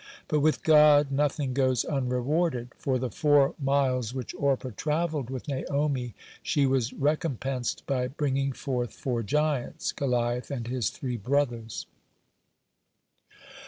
But with God nothing goes unrewarded. For the four miles which Orpah travelled with Naomi, she was recompensed by bringing forth four giants, Goliath and his three brothers.